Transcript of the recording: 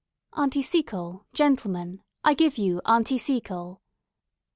Aunty Seacole, gentlemen; I give you, Aunty Seacole